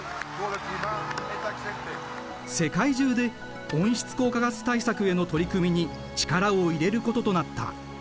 世界中で温室効果ガス対策への取り組みに力を入れることとなった。